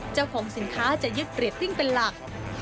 เจ้าของสินค้าจะยึกเรียดริ่งเป็นหลัก